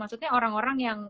maksudnya orang orang yang